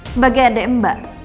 sebagai adek mbak